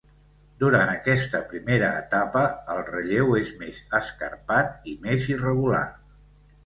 Durant aquesta primera etapa, el relleu és més escarpat i més irregular.